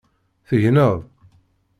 Tegneḍ?